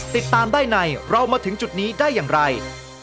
ติดตามได้ในเรามาถึงจุดนี้ได้อย่างไร